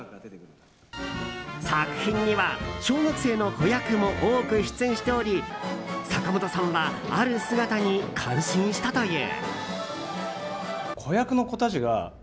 作品には小学生の子役も多く出演しており坂本さんはある姿に感心したという。